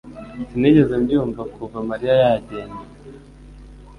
Sinigeze mbyumva kuva Mariya agenda